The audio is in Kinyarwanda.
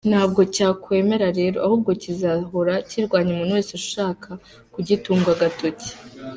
Ntabwo cyakwemera rero, ahubwo kizahora kirwanya umuntu wese uzashaka kugitunga agatoki.